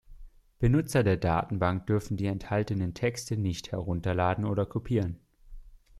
Benutzer der Datenbank dürfen die enthaltenen Texte nicht herunterladen oder kopieren.